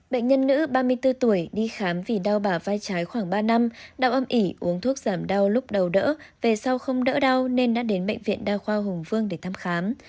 bệnh nhân nữ ba mươi bốn tuổi đi khám vì đau bà vai trái khoảng ba năm đau âm ỉ uống thuốc giảm đau lúc đầu đỡ về sau không đỡ đau nên đã đến bệnh viện đa khoa hùng vương để thăm khám